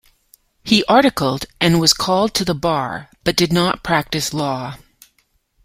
He articled and was called to the Bar, but did not practice law.